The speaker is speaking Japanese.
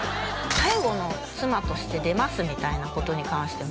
最後の妻として出ますみたいなことに関しても